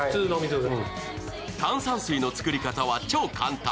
炭酸水の作り方は超簡単。